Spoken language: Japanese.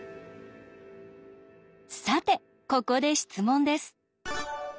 さてここで質問です。